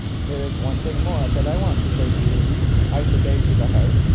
There is one thing more that I want to say: I forbade you the house.